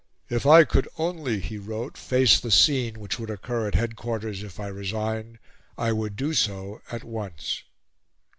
"If I could only," he wrote, "face the scene which would occur at headquarters if I resigned, I would do so at once."